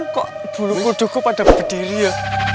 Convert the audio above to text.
kok bulu kudu kok pada berdiri ya